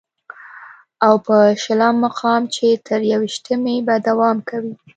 او په شلم مقام چې تر يوویشتمې به دوام کوي